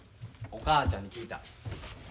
お母ちゃんに聞いた。